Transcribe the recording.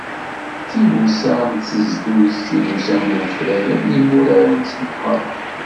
Tigusa n tnezduɣt, tigusa n ufrag akked imurar-nsent meṛṛa.